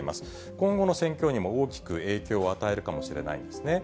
今後の戦況にも大きく影響を与えるかもしれないんですね。